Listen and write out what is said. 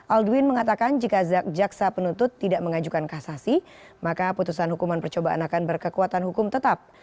aldwin mengatakan jika jaksa penuntut tidak mengajukan kasasi maka putusan hukuman percobaan akan berkekuatan hukum tetap